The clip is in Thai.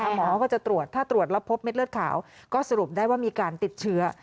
หมอก็จะตรวจถ้าตรวจแล้วพบเม็ดเลือดขาวก็สรุปได้ว่ามีการติดเชื้อ